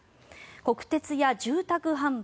国鉄や住宅販売